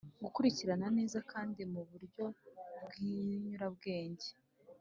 gukurikirana neza kandi mu buryo bw’inyurabwenge.